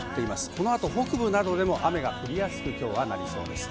このあと北部などでも雨が降りやすく、きょうはなりそうです。